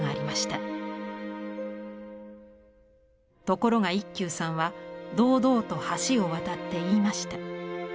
ところが一休さんは堂々と橋を渡って言いました。